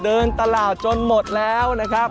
เดินตลาดจนหมดแล้วนะครับ